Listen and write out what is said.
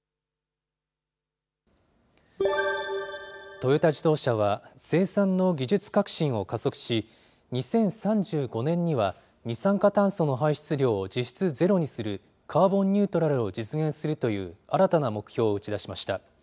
トヨタ自動車は、生産の技術革新を加速し、２０３５年には二酸化炭素の排出量を実質ゼロにするカーボンニュートラルを実現するという、新たな目標を打ち出しました。